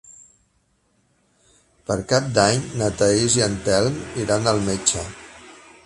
Per Cap d'Any na Thaís i en Telm iran al metge.